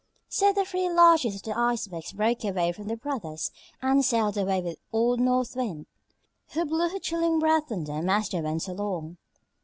So the three largest of the icebergs broke away from their brothers and sailed away with old North Wind, who blew her chilling breath on them as they went along.